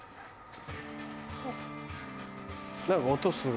何か音する。